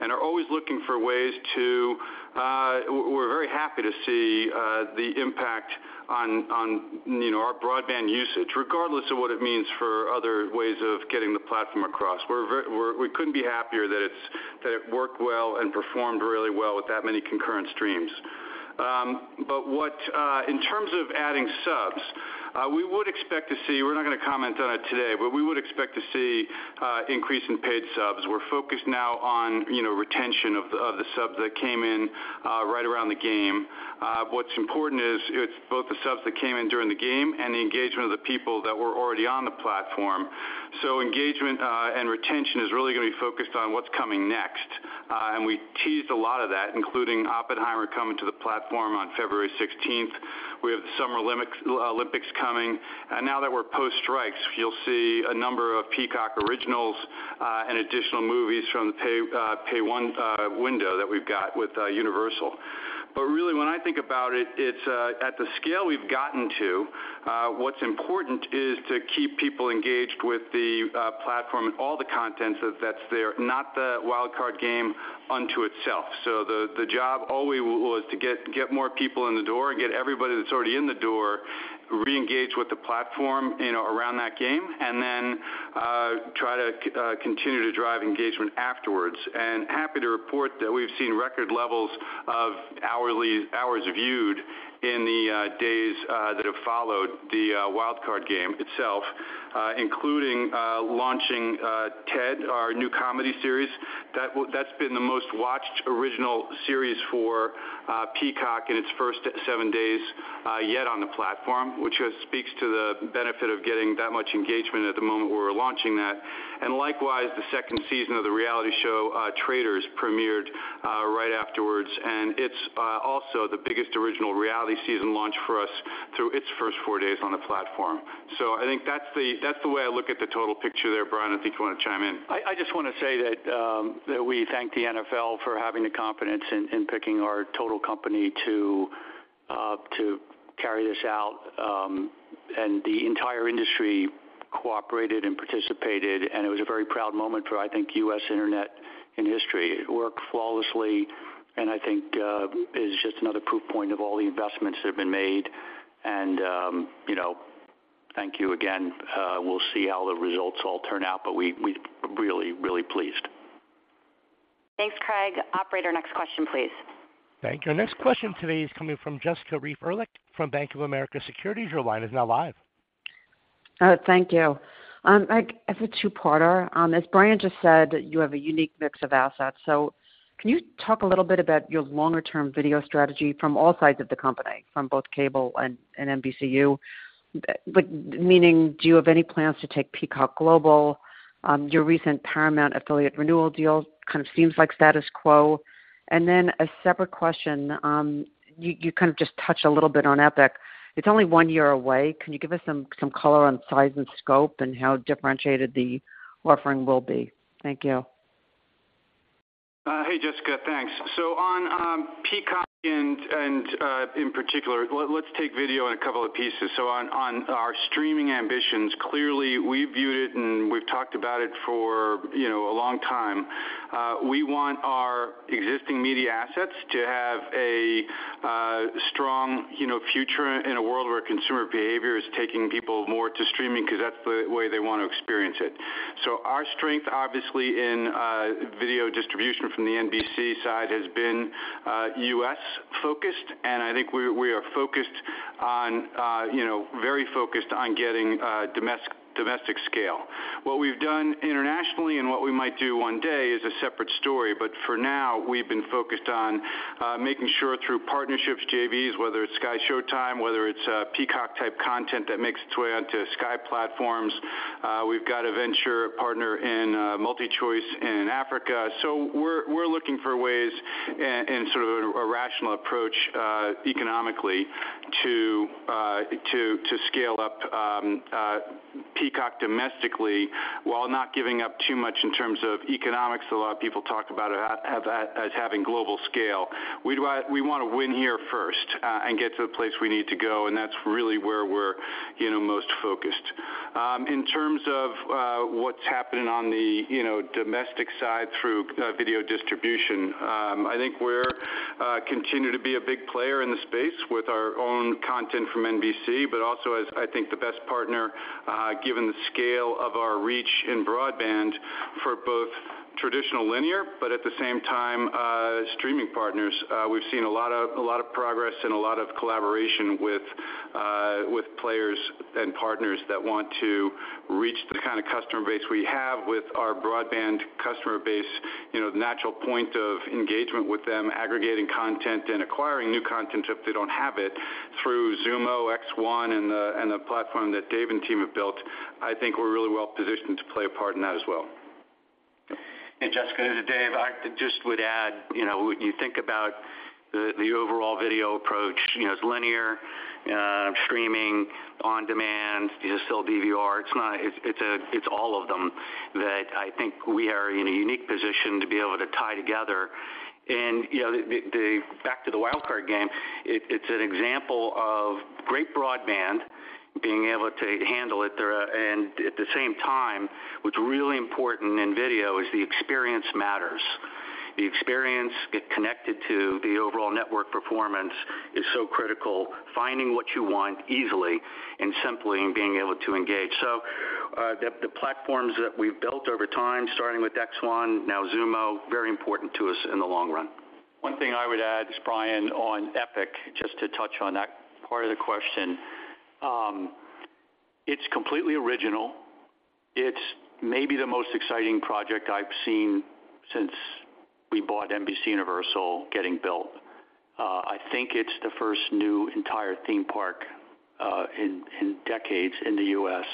and are always looking for ways to. We're very happy to see the impact on, on, you know, our broadband usage, regardless of what it means for other ways of getting the platform across. We're very-- We're, we couldn't be happier that it's, that it worked well and performed really well with that many concurrent streams. But in terms of adding subs, we would expect to see, we're not gonna comment on it today, but we would expect to see increase in paid subs. We're focused now on, you know, retention of the, of the subs that came in right around the game. What's important is it's both the subs that came in during the game and the engagement of the people that were already on the platform. So engagement and retention is really gonna be focused on what's coming next, and we teased a lot of that, including Oppenheimer coming to the platform on February 16th. We have the Summer Olympics coming, and now that we're post-strikes, you'll see a number of Peacock originals, and additional movies from the Pay 1 window that we've got with Universal. But really, when I think about it, it's at the scale we've gotten to, what's important is to keep people engaged with the platform and all the content that's there, not the Wild Card game unto itself. So the job always was to get more people in the door and get everybody that's already in the door reengaged with the platform, you know, around that game, and then try to continue to drive engagement afterwards. Happy to report that we've seen record levels of hourly, hours viewed in the days that have followed the Wild Card game itself, including launching Ted, our new comedy series. That's been the most watched original series for Peacock in its first seven days yet on the platform, which speaks to the benefit of getting that much engagement at the moment we were launching that. And likewise, the second season of the reality show Traitors premiered right afterwards, and it's also the biggest original reality season launch for us through its first four days on the platform. So I think that's the way I look at the total picture there. Brian, I think you want to chime in. I just want to say that we thank the NFL for having the confidence in picking our total company to carry this out. And the entire industry cooperated and participated, and it was a very proud moment for, I think, U.S. internet in history. It worked flawlessly, and I think is just another proof point of all the investments that have been made. You know, thank you again. We'll see how the results all turn out, but we're really, really pleased. Thanks, Craig. Operator, next question, please. Thank you. Our next question today is coming from Jessica Reif Ehrlich from Bank of America Securities. Your line is now live. Thank you. I have a two-parter. As Brian just said, you have a unique mix of assets, so can you talk a little bit about your longer-term video strategy from all sides of the company, from both Cable and NBCU? But meaning, do you have any plans to take Peacock global? Your recent Paramount affiliate renewal deal kind of seems like status quo. And then a separate question, you kind of just touched a little bit on Epic. It's only one year away. Can you give us some color on size and scope and how differentiated the offering will be? Thank you. Hey, Jessica, thanks. So on Peacock and, in particular, let's take video in a couple of pieces. So on our streaming ambitions, clearly, we viewed it and we've talked about it for, you know, a long time. We want our existing Media assets to have a strong, you know, future in a world where consumer behavior is taking people more to streaming because that's the way they want to experience it. So our strength, obviously, in video distribution from the NBC side has been US-focused, and I think we are focused on, you know, very focused on getting domestic scale. What we've done internationally and what we might do one day is a separate story, but for now, we've been focused on making sure through partnerships, JVs, whether it's SkyShowtime, whether it's Peacock-type content that makes its way onto Sky platforms. We've got a venture partner in MultiChoice in Africa. So we're looking for ways and sort of a rational approach, economically to scale up Peacock domestically, while not giving up too much in terms of economics. A lot of people talk about it as having global scale. We want to win here first, and get to the place we need to go, and that's really where we're, you know, most focused. In terms of what's happening on the, you know, domestic side through video distribution, I think we're continue to be a big player in the space with our own content from NBC, but also as, I think, the best partner given the scale of our reach in broadband for both traditional linear, but at the same time, streaming partners. We've seen a lot of, a lot of progress and a lot of collaboration with with players and partners that want to reach the kind of customer base we have with our broadband customer base, you know, the natural point of engagement with them, aggregating content and acquiring new content if they don't have it, through Xumo, X1, and the, and the platform that Dave and team have built. I think we're really well positioned to play a part in that as well. Hey, Jessica, this is Dave. I just would add, you know, when you think about the overall video approach, you know, it's linear, streaming, on demand, you know, still DVR. It's not. It's all of them that I think we are in a unique position to be able to tie together. And, you know, back to the Wild Card game, it's an example of great broadband being able to handle it. And at the same time, what's really important in video is the experience matters. The experience getting connected to the overall network performance is so critical, finding what you want easily and simply, and being able to engage. So, the platforms that we've built over time, starting with X1, now Xumo, very important to us in the long run. One thing I would add is, Brian, on Epic, just to touch on that part of the question. It's completely original. It's maybe the most exciting project I've seen since we bought NBCUniversal getting built. I think it's the first new entire theme park in decades in the U.S.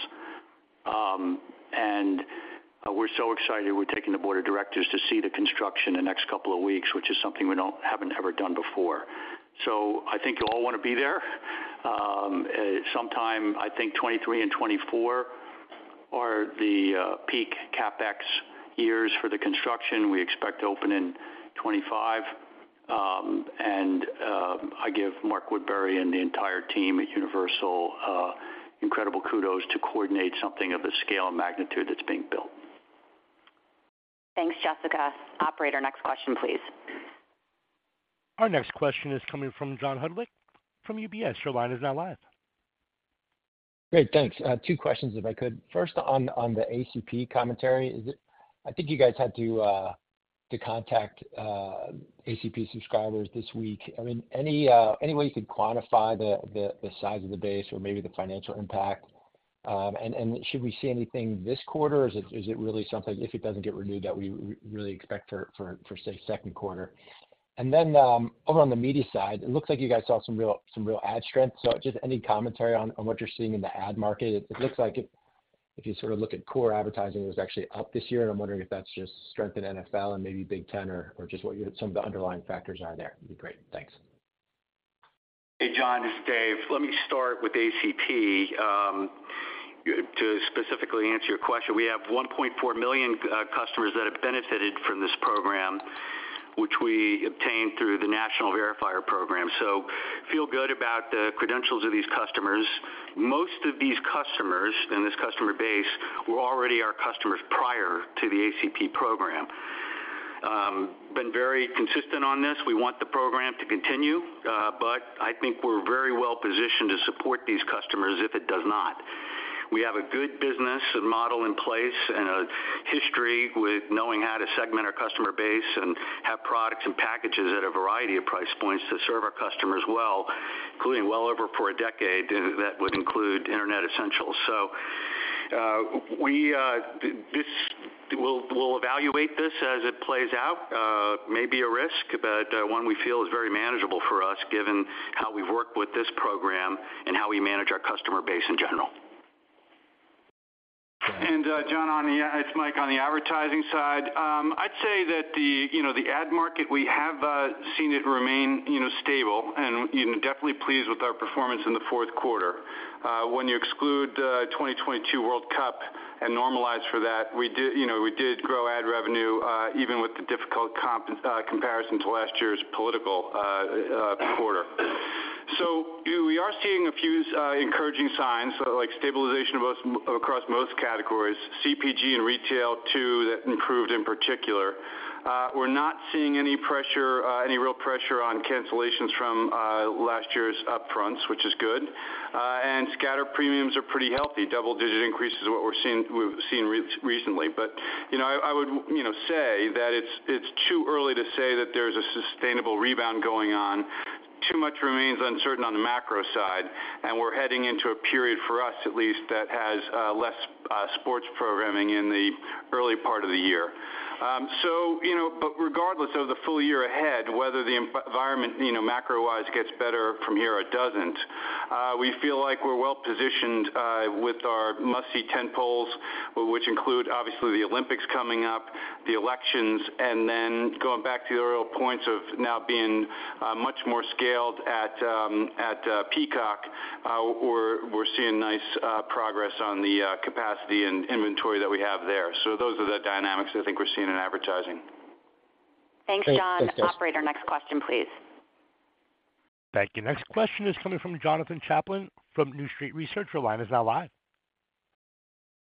We're so excited. We're taking the board of directors to see the construction in the next couple of weeks, which is something we haven't ever done before. So I think you'll all want to be there. Sometime, I think 2023 and 2024 are the peak CapEx years for the construction. We expect to open in 2025. I give Mark Woodbury and the entire team at Universal incredible kudos to coordinate something of the scale and magnitude that's being built. Thanks, Jessica. Operator, next question, please. Our next question is coming from John Hodulik from UBS. Your line is now live. Great, thanks. Two questions, if I could. First, on the ACP commentary, is it... I think you guys had to contact ACP subscribers this week. I mean, any way you could quantify the size of the base or maybe the financial impact? And should we see anything this quarter, or is it really something if it doesn't get renewed, that we really expect for, say, second quarter? And then, over on the Media side, it looks like you guys saw some real ad strength. So just any commentary on what you're seeing in the ad market? It looks like if you sort of look at core advertising, it was actually up this year, and I'm wondering if that's just strength in NFL and maybe Big Ten or just what are some of the underlying factors there. It'd be great. Thanks. Hey, John, this is Dave. Let me start with ACP. To specifically answer your question, we have 1.4 million customers that have benefited from this program, which we obtained through the National Verifier program, so feel good about the credentials of these customers. Most of these customers, in this customer base, were already our customers prior to the ACP program. Been very consistent on this. We want the program to continue, but I think we're very well positioned to support these customers if it does not. We have a good business and model in place and a history with knowing how to segment our customer base and have products and packages at a variety of price points to serve our customers well, including well over for a decade, and that would include Internet Essentials. So, we'll evaluate this as it plays out. Maybe a risk, but one we feel is very manageable for us, given how we've worked with this program and how we manage our customer base in general. John, on the... It's Mike, on the advertising side, I'd say that the, you know, the ad market, we have, seen it remain, you know, stable, and, you know, definitely pleased with our performance in the fourth quarter. When you exclude, 2022 World Cup and normalize for that, we do-- you know, we did grow ad revenue, even with the difficult comp, comparison to last year's political, quarter. So we are seeing a few, encouraging signs, like stabilization across most categories, CPG and retail, too, that improved in particular. We're not seeing any pressure, any real pressure on cancellations from, last year's upfronts, which is good. And scatter premiums are pretty healthy. Double-digit increase is what we're seeing-- we've seen recently. But, you know, I would, you know, say that it's too early to say that there's a sustainable rebound going on. Too much remains uncertain on the macro side, and we're heading into a period, for us at least, that has less sports programming in the early part of the year. So, you know, but regardless of the full year ahead, whether the environment, you know, macro-wise gets better from here or it doesn't, we feel like we're well positioned with our must-see tentpoles, which include, obviously, the Olympics coming up, the elections, and then going back to the earlier points of now being much more scaled at Peacock, we're seeing nice progress on the capacity and inventory that we have there. So those are the dynamics I think we're seeing in advertising. Thanks, Jess- Thanks, John. Operator, next question, please. Thank you. Next question is coming from Jonathan Chaplin from New Street Research. Your line is now live.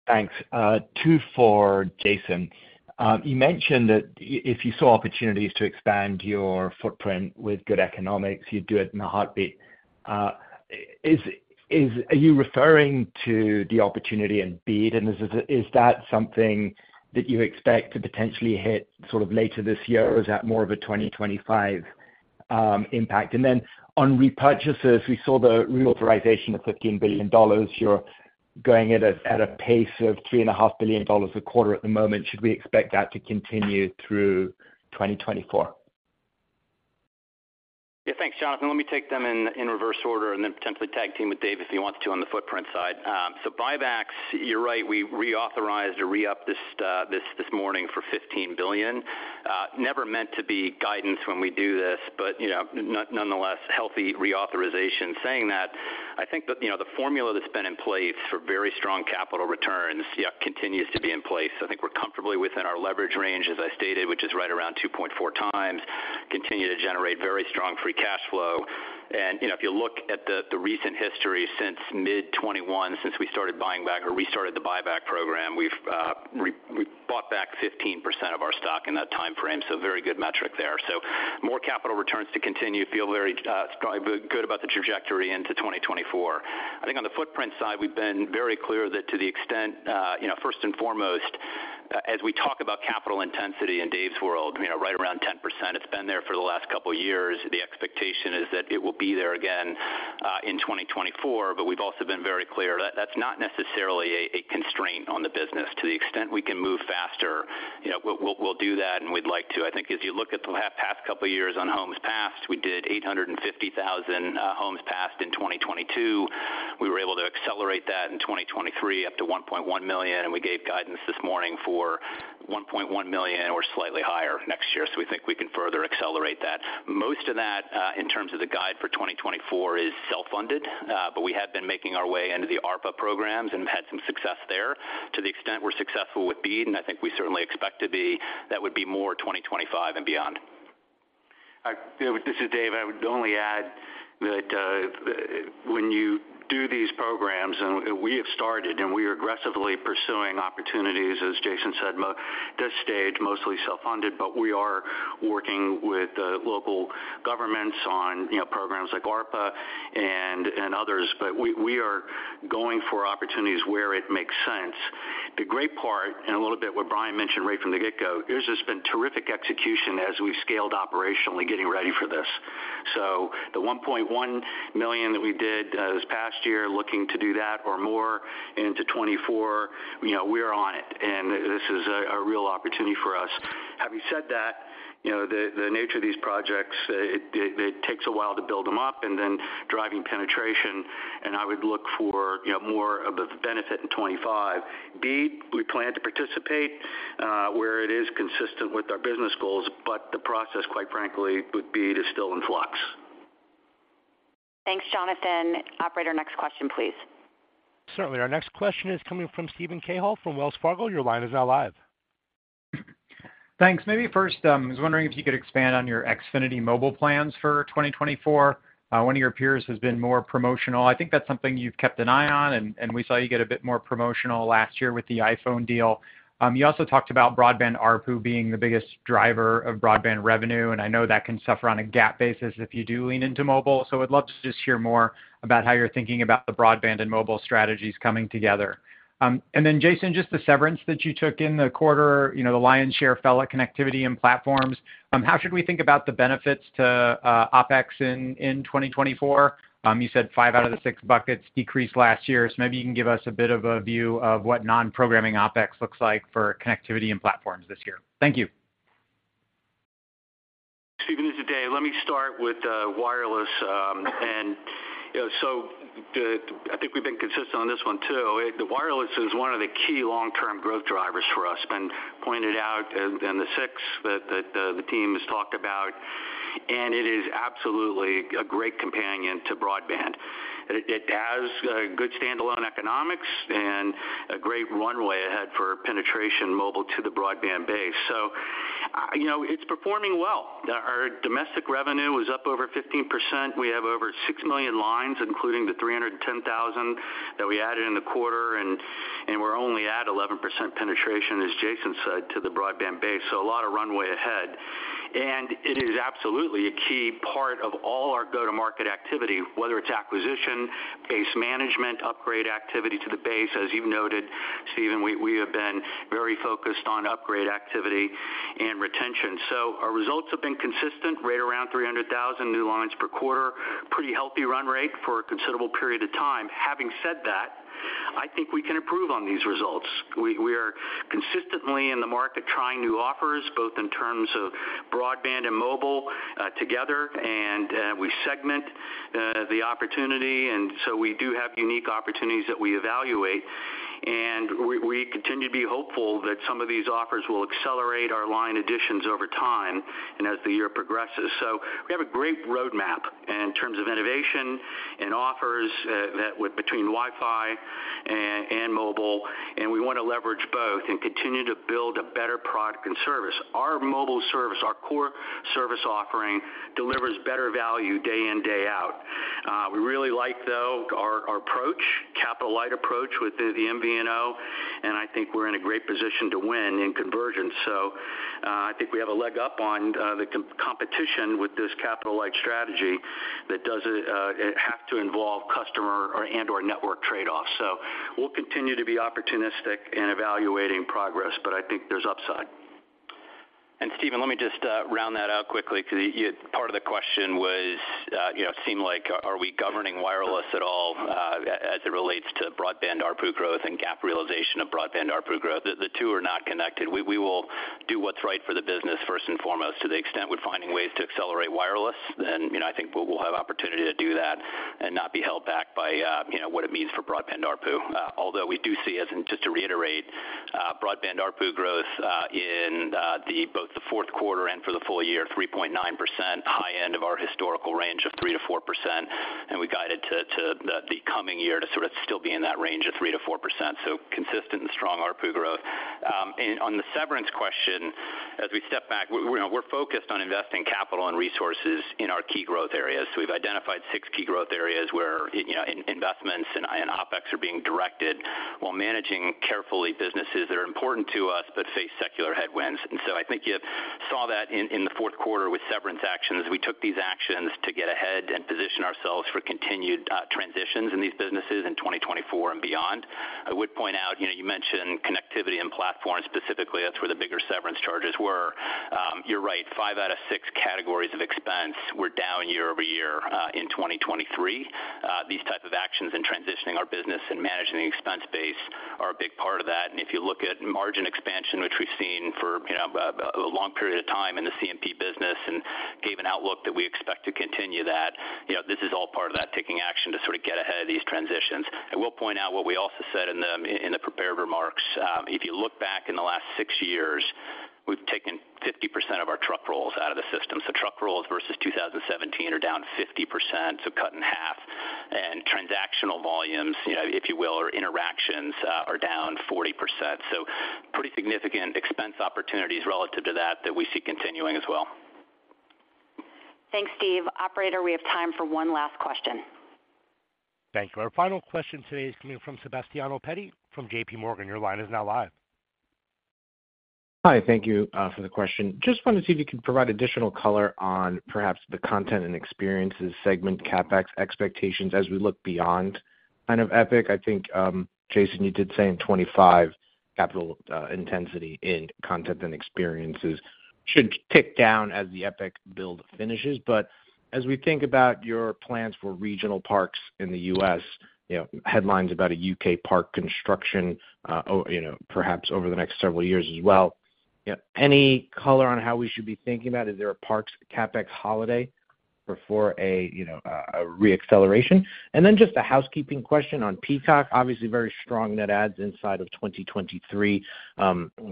Thanks. Two for Jason. You mentioned that if you saw opportunities to expand your footprint with good economics, you'd do it in a heartbeat. Is, are you referring to the opportunity in BEAD, and is that something that you expect to potentially hit sort of later this year, or is that more of a 2025 impact? And then on repurchases, we saw the reauthorization of $15 billion. You're going at a pace of $3.5 billion a quarter at the moment. Should we expect that to continue through 2024? Yeah. Thanks, Jonathan. Let me take them in reverse order and then potentially tag team with Dave if he wants to on the footprint side. So buybacks, you're right, we reauthorized or re-upped this morning for $15 billion. Never meant to be guidance when we do this, but, you know, nonetheless, healthy reauthorization. Saying that, I think that, you know, the formula that's been in place for very strong capital returns, yeah, continues to be in place. I think we're comfortably within our leverage range, as I stated, which is right around 2.4x, continue to generate very strong free cash flow. You know, if you look at the recent history since mid 2021, since we started buying back or restarted the buyback program, we've bought back 15% of our stock in that timeframe, so very good metric there. So more capital returns to continue, feel very good about the trajectory into 2024. I think on the footprint side, we've been very clear that to the extent you know, first and foremost, as we talk about capital intensity in Dave's world, you know, right around 10%. It's been there for the last couple years. The expectation is that it will be there again in 2024, but we've also been very clear that that's not necessarily a constraint on the business. To the extent we can move faster, you know, we'll do that, and we'd like to. I think as you look at the past couple of years on homes passed, we did 850,000 homes passed in 2022. We were able to accelerate that in 2023 up to 1.1 million, and we gave guidance this morning for 1.1 million or slightly higher next year. So we think we can further accelerate that. Most of that, in terms of the guide for 2024, is self-funded, but we have been making our way into the ARPA programs and had some success there. To the extent we're successful with BEAD, and I think we certainly expect to be, that would be more 2025 and beyond. Dave, this is Dave. I would only add that, when you do these programs, and we have started, and we are aggressively pursuing opportunities, as Jason said, at this stage, mostly self-funded, but we are working with local governments on, you know, programs like ARPA and others. But we are going for opportunities where it makes sense. The great part, and a little bit what Brian mentioned right from the get-go, is there's been terrific execution as we've scaled operationally getting ready for this. So the 1.1 million that we did this past year, looking to do that or more into 2024, you know, we are on it, and this is a real opportunity for us. Having said that, you know, the nature of these projects, it takes a while to build them up and then driving penetration, and I would look for, you know, more of the benefit in 2025. BEAD, we plan to participate where it is consistent with our business goals, but the process, quite frankly, with BEAD is still in flux. Thanks, Jonathan. Operator, next question, please. Certainly. Our next question is coming from Steven Cahall from Wells Fargo. Your line is now live. Thanks. Maybe first, I was wondering if you could expand on your Xfinity Mobile plans for 2024. One of your peers has been more promotional. I think that's something you've kept an eye on, and we saw you get a bit more promotional last year with the iPhone deal. You also talked about broadband ARPU being the biggest driver of broadband revenue, and I know that can suffer on a GAAP basis if you do lean into mobile. So I'd love to just hear more about how you're thinking about the broadband and mobile strategies coming together. And then, Jason, just the severance that you took in the quarter, you know, the lion's share fell at Connectivity and Platforms. How should we think about the benefits to OpEx in 2024? You said five out of the six buckets decreased last year, so maybe you can give us a bit of a view of what non-programming OpEx looks like for Connectivity and Platforms this year. Thank you. Steven, this is Dave. Let me start with wireless. You know, I think we've been consistent on this one, too. The wireless is one of the key long-term growth drivers for us, been pointed out in the six that the team has talked about, and it is absolutely a great companion to broadband. It has good standalone economics and a great runway ahead for penetration mobile to the broadband base. So, you know, it's performing well. Our domestic revenue was up over 15%. We have over 6 million lines, including the 310,000 that we added in the quarter, and we're only at 11% penetration, as Jason said, to the broadband base, so a lot of runway ahead. It is absolutely a key part of all our go-to-market activity, whether it's acquisition, base management, upgrade activity to the base. As you've noted, Steven, we have been very focused on upgrade activity and retention. So our results have been consistent, right around 300,000 new lines per quarter. Pretty healthy run rate for a considerable period of time. Having said that, I think we can improve on these results. We are consistently in the market trying new offers, both in terms of broadband and mobile together, and we segment the opportunity, and so we do have unique opportunities that we evaluate. And we continue to be hopeful that some of these offers will accelerate our line additions over time and as the year progresses. So we have a great roadmap in terms of innovation and offers that between Wi-Fi and mobile, and we want to leverage both and continue to build a better product and service. Our mobile service, our core service offering, delivers better value day in, day out. We really like, though, our capital-light approach with the MVNO.... and I think we're in a great position to win in convergence. So, I think we have a leg up on the competition with this capital-light strategy that doesn't have to involve customer and/or network trade-offs. So we'll continue to be opportunistic in evaluating progress, but I think there's upside. Steven, let me just round that out quickly, 'cause you, part of the question was, you know, seemed like are we governing wireless at all, as it relates to broadband ARPU growth and GAAP realization of broadband ARPU growth? The two are not connected. We will do what's right for the business first and foremost. To the extent we're finding ways to accelerate wireless, then, you know, I think we will have opportunity to do that and not be held back by, you know, what it means for broadband ARPU. Although we do see as, and just to reiterate, broadband ARPU growth, in, the both the fourth quarter and for the full year, 3.9%, high end of our historical range of 3%-4%, and we guided to the coming year to sort of still be in that range of 3%-4%, so consistent and strong ARPU growth. And on the severance question, as we step back, we're, you know, we're focused on investing capital and resources in our key growth areas. So we've identified six key growth areas where, you know, investments and OpEx are being directed while managing carefully businesses that are important to us, but face secular headwinds. And so I think you saw that in the fourth quarter with severance actions. We took these actions to get ahead and position ourselves for continued transitions in these businesses in 2024 and beyond. I would point out, you know, you mentioned connectivity and platform specifically. That's where the bigger severance charges were. You're right, five out of six categories of expense were down year-over-year in 2023. These type of actions in transitioning our business and managing the expense base are a big part of that. And if you look at margin expansion, which we've seen for, you know, a long period of time in the C&P business and gave an outlook that we expect to continue that, you know, this is all part of that taking action to sort of get ahead of these transitions. I will point out what we also said in the prepared remarks. If you look back in the last six years, we've taken 50% of our truck rolls out of the system. So truck rolls versus 2017 are down 50%, so cut in half. And transactional volumes, you know, if you will, or interactions, are down 40%. So pretty significant expense opportunities relative to that, that we see continuing as well. Thanks, Steve. Operator, we have time for one last question. Thank you. Our final question today is coming from Sebastiano Petti from J.P. Morgan. Your line is now live. Hi, thank you for the question. Just wanted to see if you could provide additional color on perhaps the Content and Experiences segment, CapEx expectations as we look beyond kind of Epic. I think, Jason, you did say in 2025, capital intensity in Content and Experiences should tick down as the Epic build finishes. But as we think about your plans for regional parks in the U.S., you know, headlines about a U.K. park construction, you know, perhaps over the next several years as well, any color on how we should be thinking about, is there a parks CapEx holiday before a, you know, re-acceleration? And then just a housekeeping question on Peacock. Obviously, very strong net adds inside of 2023.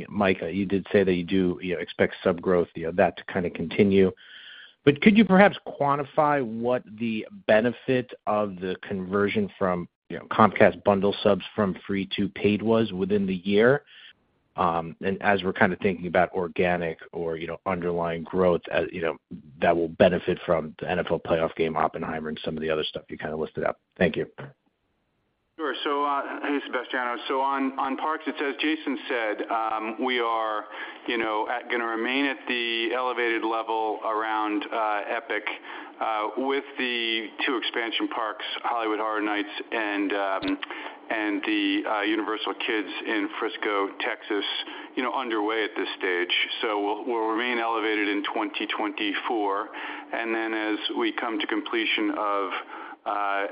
Mike, you did say that you do, you know, expect sub growth, you know, that to kind of continue. Could you perhaps quantify what the benefit of the conversion from, you know, Comcast bundle subs from free to paid was within the year? As we're kind of thinking about organic or, you know, underlying growth, as you know, that will benefit from the NFL playoff game, Oppenheimer, and some of the other stuff you kind of listed out. Thank you. Sure. So, hey, Sebastiano. So on, on parks, it's as Jason said, we are, you know, gonna remain at the elevated level around Epic, with the two expansion parks, Hollywood Horror Nights and, and the, Universal Kids in Frisco, Texas, you know, underway at this stage. So we'll, we'll remain elevated in 2024, and then as we come to completion of,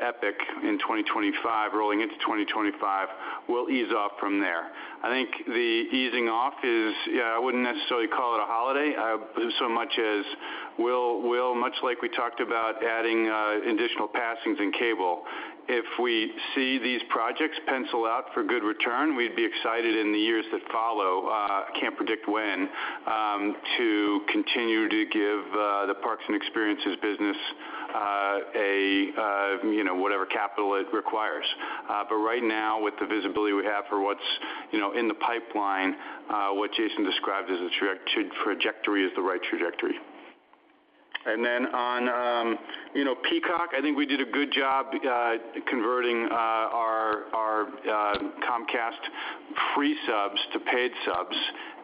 Epic in 2025, rolling into 2025, we'll ease off from there. I think the easing off is, yeah, I wouldn't necessarily call it a holiday, so much as we'll, we'll much like we talked about adding, additional passings in cable. If we see these projects pencil out for good return, we'd be excited in the years that follow, can't predict when, to continue to give the parks and experiences business, you know, whatever capital it requires. But right now, with the visibility we have for what's, you know, in the pipeline, what Jason described as a trajectory is the right trajectory. And then on, you know, Peacock, I think we did a good job converting our Comcast free subs to paid subs,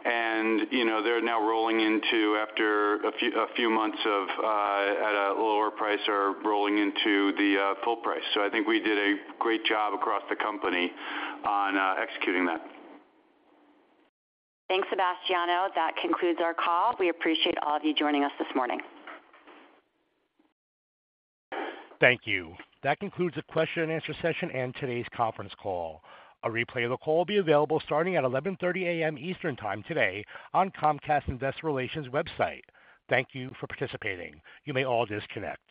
and, you know, they're now rolling into, after a few months of at a lower price, are rolling into the full price. So I think we did a great job across the company on executing that. Thanks, Sebastiano. That concludes our call. We appreciate all of you joining us this morning. Thank you. That concludes the question and answer session and today's conference call. A replay of the call will be available starting at 11:30 A.M. Eastern Time today on Comcast Investor Relations website. Thank you for participating. You may all disconnect.